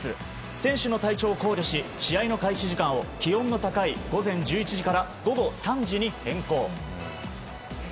選手の体調を考慮し試合の開始時間を気温の高い午前１１時から午後３時に変更。